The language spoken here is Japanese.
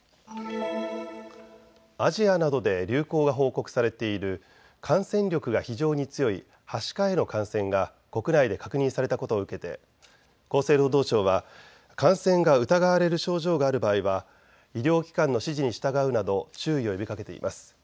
アジアなどで流行が報告されている感染力が非常に強いはしかへの感染が国内で確認されたことを受けて厚生労働省は感染が疑われる症状がある場合は医療機関の指示に従うなど注意を呼びかけています。